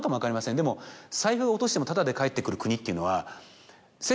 でも財布を落としてもただで返ってくる国っていうのは。